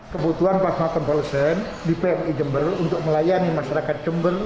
kebutuhan plasma convalesen di pmi jember untuk melayani masyarakat jember